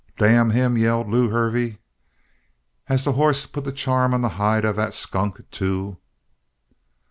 "Damn him!" yelled Lew Hervey. "Has the hoss put the charm on the hide of that skunk, too?"